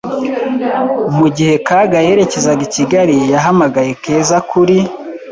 Mu gihe Kaga yerekezaga i Kigali yahamagaye Keza kuri